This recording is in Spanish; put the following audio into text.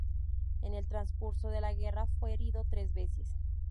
En el transcurso de la guerra fue herido tres veces.